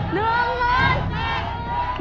๑หมด